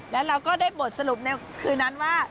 แล้วเราก็ได้บทสรุปในคืนนั้นว่า